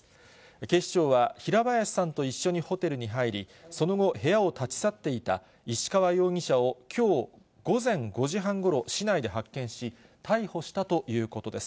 警視庁は、平林さんと一緒にホテルに入り、その後、部屋を立ち去っていた石川容疑者をきょう午前５時半ごろ、市内で発見し、逮捕したということです。